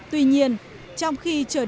tuy nhiên trong khi trở đấu